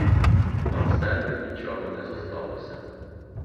А в себе нічого не зосталося.